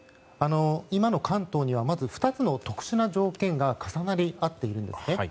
今の関東にはまず２つの特殊な条件が重なり合っているんです。